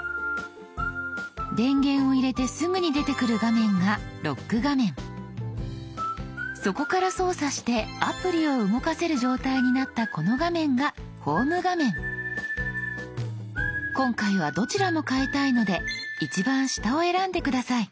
電源を入れてすぐに出てくる画面がそこから操作してアプリを動かせる状態になったこの画面が今回はどちらも変えたいので一番下を選んで下さい。